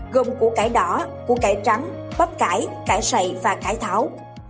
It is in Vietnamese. gồm củ cải đỏ củ cải trắng bắp cải cải sày và cải thảo